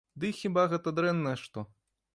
Ды і хіба гэта дрэннае што?